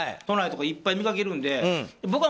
都内とかいっぱい見かけるので。